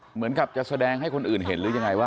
เหมือนกับจะแสดงให้คนอื่นเห็นหรือยังไงว่า